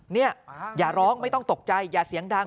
เนี่ยอย่าร้องไม่ต้องตกใจอย่าเสียงดัง